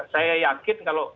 saya yakin kalau